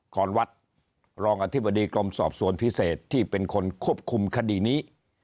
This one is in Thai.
ขอนวัดรองอธิบดีกรมสอบสวนพิเศษที่เป็นคนควบคุมคดีนี้